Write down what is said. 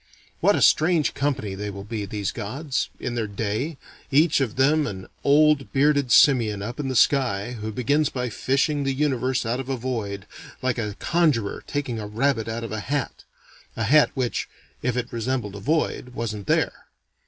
What a strange company they will be, these gods, in their day, each of them an old bearded simian up in the sky, who begins by fishing the universe out of a void, like a conjurer taking a rabbit out of a hat. (A hat which, if it resembled a void, wasn't there.)